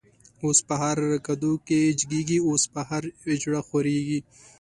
اوس په هر کدو جګيږی، اوس په هر” اجړا” خوريږی